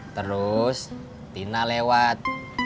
terus dina lewat